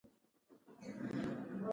کاري ځواک هم د نورو توکو په څېر ارزښت لري